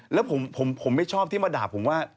แล้วผมไม่ชอบที่มาด่าผมว่า